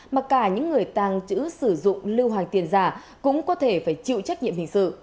mà cả những người tàng trữ sử dụng lưu hoàng tiền giả cũng có thể phải chịu trách nhiệm hình sự